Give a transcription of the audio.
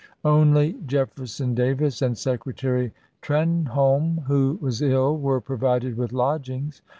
Only Jefferson Davis, and Secretary Trenholm who was ill, were provided with lodgings.